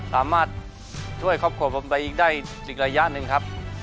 สามารถช่วยครอบครัวผมไปอีกได้อีกระยะหนึ่งครับ